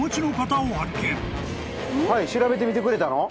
調べてみてくれたの？